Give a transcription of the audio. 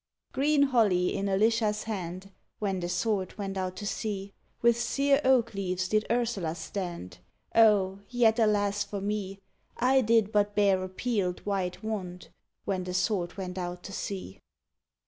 _ Green holly in Alicia's hand, When the Sword went out to sea; With sere oak leaves did Ursula stand; O! yet alas for me! I did but bear a peel'd white wand, _When the Sword went out to sea.